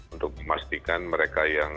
untuk memastikan mereka yang